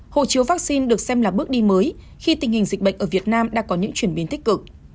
hộ chiếu vaccine được xem là bước đi mới khi tình hình dịch bệnh ở việt nam đã có những chuyển biến tích cực